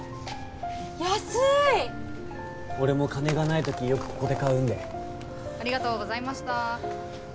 安い俺も金がない時よくここで買うんでありがとうございました